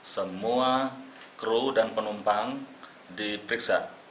semua kru dan penumpang diperiksa